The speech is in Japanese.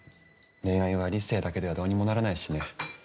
恋愛は理性だけではどうにもならないしね。